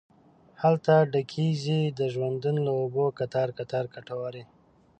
هلته ډکیږې د ژوندون له اوبو کتار، کتار کټوري